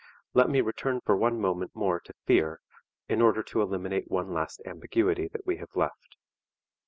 Let me return for one moment more to fear, in order to eliminate one last ambiguity that we have left.